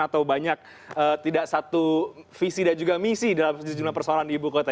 atau banyak tidak satu visi dan juga misi dalam sejumlah persoalan di ibu kota